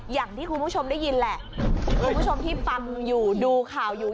อย่างที่คุณผู้ชมได้ยินแหละคุณผู้ชมที่ฟังอยู่ดูข่าวอยู่